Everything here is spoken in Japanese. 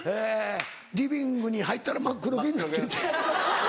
リビングに入ったら真っ黒けになってて。